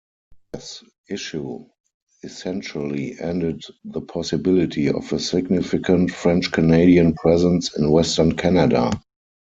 This issue essentially ended the possibility of a significant French-Canadian presence in western Canada.